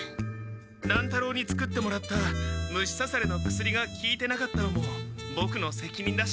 乱太郎に作ってもらった虫さされの薬がきいてなかったのもボクのせきにんだし。